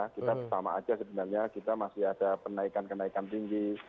kita pertama saja sebenarnya kita masih ada kenaikan kenaikan tinggi